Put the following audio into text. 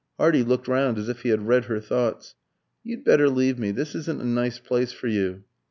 Hardy looked round as if he had read her thoughts. "You'd better leave me. This isn't a nice place for you."